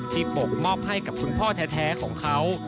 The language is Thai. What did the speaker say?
โป่งมอบให้กับคุณพ่อแท้ของเขา